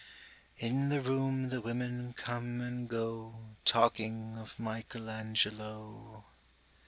In the room the women come and go Talking of Michelangelo.